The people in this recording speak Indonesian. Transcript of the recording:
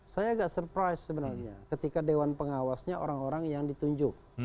saya agak surprise sebenarnya ketika dewan pengawasnya orang orang yang ditunjuk